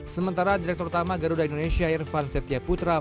sementara direktur utama garuda indonesia irvan setia putra